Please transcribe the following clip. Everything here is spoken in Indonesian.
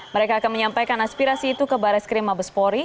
mereka akan menyampaikan aspirasi itu ke baris krim mabespori